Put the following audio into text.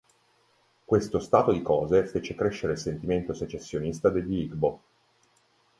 Questo stato di cose fece crescere il sentimento secessionista degli Igbo.